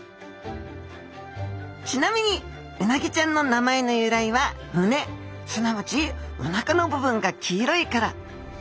ちなみにうなぎちゃんの名前の由来は胸すなわちおなかの部分が黄色いから。